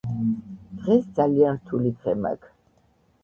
დღეს ძალიან რთული დღე მაქ